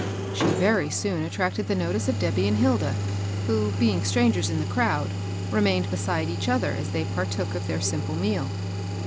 She very soon attracted the notice of Debby and Hilda, who, be ing strangers in the crowd, remained beside each other as they partook of their simple meal.